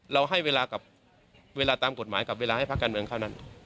เราให้เวลาตามกฎหมายกับเวลาให้พักการเมืองข้างนั้น